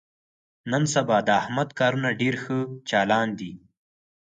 نن سبا د احمد کارونه ډېر ښه چالان دي.